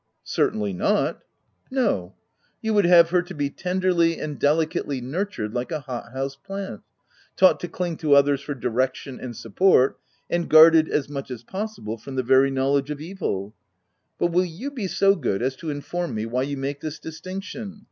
u Certainly not "" No ; you o would have her to be tenderly and delicately nurtured, like a hot house plant — taught to cling to others for direction and support, and guarded, as much as possible, from the very knowledge of evil. But will you 56 THE TEX A XT be so good as to inform me, why you make this distinction